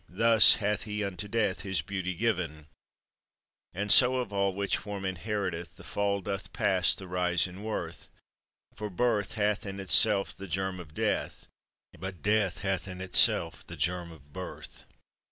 Thus hath He unto death His beauty given: And so of all which form inheriteth The fall doth pass the rise in worth; For birth hath in itself the germ of death, But death hath in itself the germ of birth.